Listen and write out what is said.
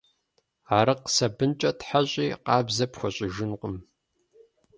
Арыкъ сабынкӀэ тхьэщӀи къабзэ пхуэщӀыжынкъым.